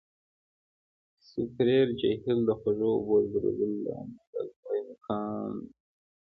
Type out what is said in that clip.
سوپریر جهیل د خوږو اوبو د درلودلو له امله لومړی مقام لري.